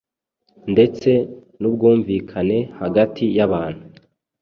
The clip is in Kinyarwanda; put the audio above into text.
ndetse n’ ubwumvikane hagati yabantu.